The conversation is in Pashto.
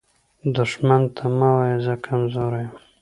دښمن ته مه وایه “زه کمزوری یم”